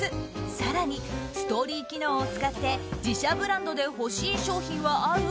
更に、ストーリー機能を使って自社ブランドで欲しい商品はある？